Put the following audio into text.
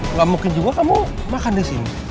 nggak mungkin juga kamu makan di sini